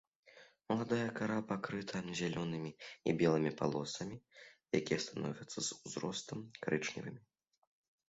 Маладая кара пакрыта зялёнымі і белымі палосамі, якія становяцца з узростам карычневымі.